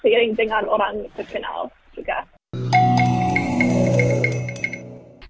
seiring dengan orang terkenal juga